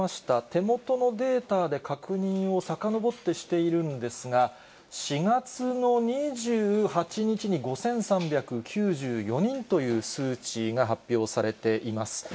手元のデータで確認をさかのぼってしているんですが、４月の２８日に５３９４人という数値が発表されています。